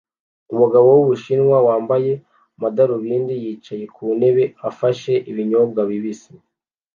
Umugabo wUbushinwa wambaye amadarubindi yicaye ku ntebe afashe ibinyobwa bibisi